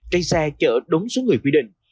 cây xe chở đúng số người quy định